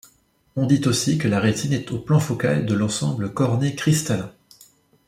On dit aussi que la rétine est au plan focal de l'ensemble cornée-cristallin.